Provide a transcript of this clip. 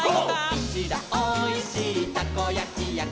「うちらおいしいたこやきやから」